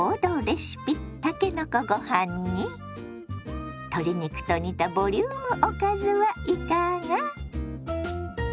たけのこご飯に鶏肉と煮たボリュームおかずはいかが。